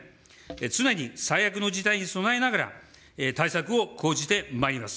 常に最悪の事態に備えながら、対策を講じてまいります。